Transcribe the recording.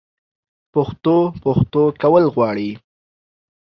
پښتو؛ پښتو کول غواړي